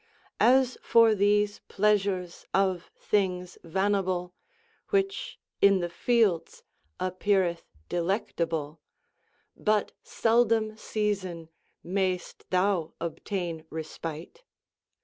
As for these pleasours of thinges vanable Whiche in the fieldes appeareth delectable, But seldome season mayest thou obtayne respite.